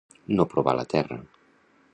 No provar la terra.